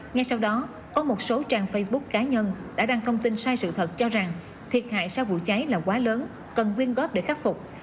ngay sau đó có một số trang facebook cá nhân đã đăng thông tin sai sự thật cho rằng thiệt hại sau vụ cháy là quá lớn cần quyên góp để khắc phục